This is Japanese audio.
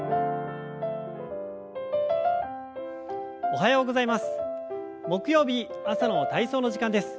おはようございます。